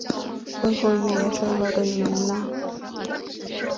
婚后一年生了个女婴